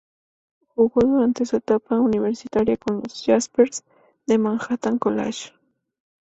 Jugó durante su etapa universitaria con los "Jaspers" del Manhattan College.